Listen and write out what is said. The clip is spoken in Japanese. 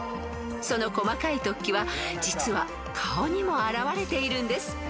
［その細かい突起は実は顔にも現れているんです］